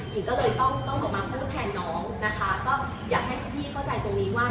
หญิงก็เลยต้องต้องออกมาพูดแทนน้องนะคะก็อยากให้พี่เข้าใจตรงนี้ว่า